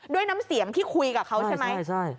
ด้วยน้ำเสียงที่คุยกับเขาใช่ไหม